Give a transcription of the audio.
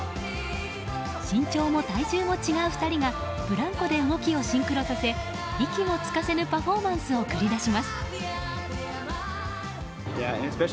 身長も体重も違う２人がブランコで動きをシンクロさせ息もつかせぬパフォーマンスを繰り出します。